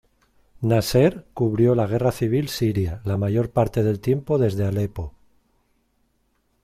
Naser cubrió la Guerra Civil Siria, la mayor parte del tiempo desde Alepo.